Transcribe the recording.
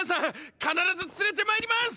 必ず連れてまいります！